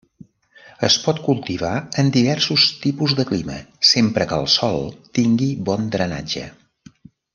Es pot cultivar en diversos tipus de clima sempre que el sòl tingui bon drenatge.